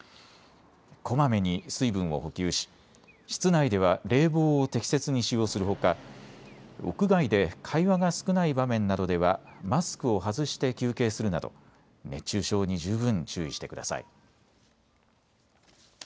こまめに水分を補給し室内では冷房を適切に使用するほか屋外で会話が少ない場面などではマスクを外して休憩するなど熱中症に十分注意してください。